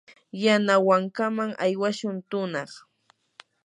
yanawankaman aywashun tunaq.